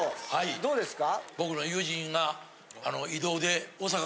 どうですか？